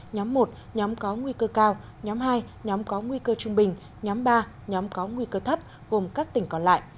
nhóm một nhóm có nguy cơ cao nhóm hai nhóm có nguy cơ trung bình nhóm ba nhóm có nguy cơ thấp gồm các tỉnh còn lại